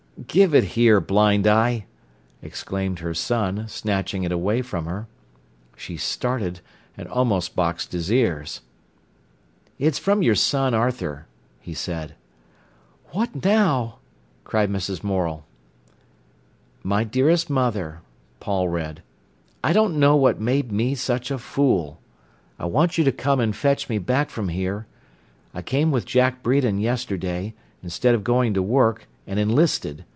"Give it here, blind eye!" exclaimed her son, snatching it away from her. She started, and almost boxed his ears. "It's from your son, Arthur," he said. "What now—!" cried Mrs. Morel. "'My dearest Mother,'" Paul read, "'I don't know what made me such a fool. I want you to come and fetch me back from here. I came with Jack Bredon yesterday, instead of going to work, and enlisted.